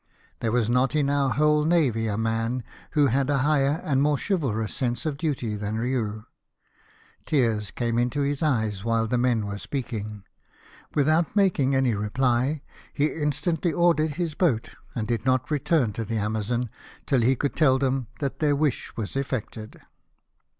There was not in our whole navy a man who had a higher and more chivalrous sense oi duty than Riou. Tears came into his eyes while the men were speaking ; without making any reply he instantly ordered his boat, and did not return to the Amnazon till he could tell them that their wish was effected.